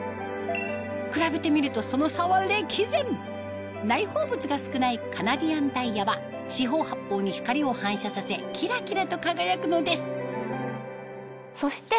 比べてみるとその差は歴然内包物が少ないカナディアンダイヤは四方八方に光を反射させキラキラと輝くのですそして